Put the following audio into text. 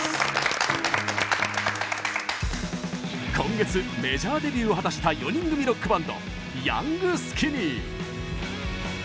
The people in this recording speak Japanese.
今月、メジャーデビューを果たした４人組ロックバンドヤングスキニー。